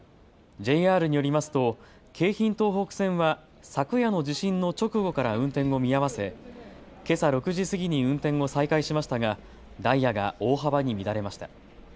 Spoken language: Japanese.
ＪＲによりますと京浜東北線は昨夜の地震の直後から運転を見合わせけさ６時過ぎに運転を再開しましたがダイヤが大幅に乱れました。